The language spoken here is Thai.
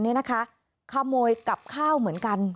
นะคะข้าวโมยกลับข้าวเหมือนกันน